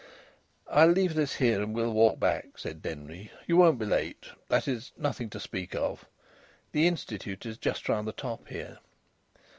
"I'll leave this here, and we'll walk back," said Denry. "You won't be late that is, nothing to speak of. The Institute is just round the top here."